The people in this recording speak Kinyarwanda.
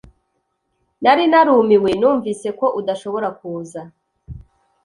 Nari narumiwe numvise ko udashobora kuza